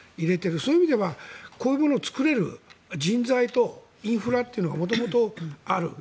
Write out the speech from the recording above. そういう意味ではこういうものを作れる人材とインフラというのが元々ある。